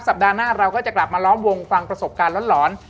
ปัดหน้าเราก็จะกลับมาล้อมวงฟังประสบการณ์หลอน